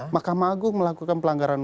makam agung melakukan pelanggaran